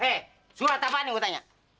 eh suatu apaan yang gue tanya